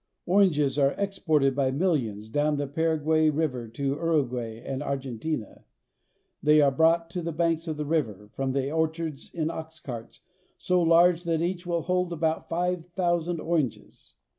Oranges are exported by millions down the Paraguay river to Uruguay and Argentina. They are brought to the banks of the river from the orchards in ox carts so large that each will hold about five thousand oranges.